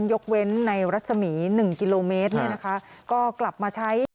ยกเว้นในรัฐสมี๑กิโลเมตรก็กลับมาใช้